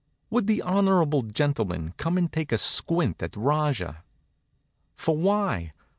Would the honorable gentleman come and take a squint at Rajah? For why?